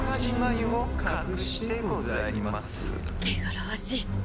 汚らわしい！